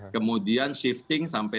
kemudian shifting sampai